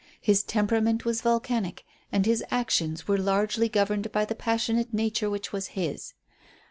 His temperament was volcanic and his actions were largely governed by the passionate nature which was his.